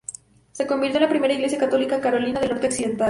Se convirtió en la primera iglesia católica en Carolina del Norte occidental.